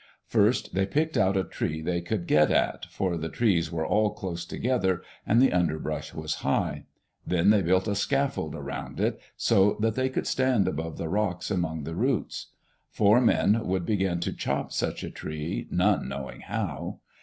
First they picked out a tree they could get at, for the trees were all close together and the underbrush was high. Then they built a scaffold around it, so that they could stand above the rocks among the roots. Four men would begin to chop such a tree, none knowing how.